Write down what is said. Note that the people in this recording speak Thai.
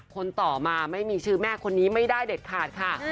คนต่อมาไม่มีชื่อแม่คนนี้ไม่ได้เด็ดขาดค่ะ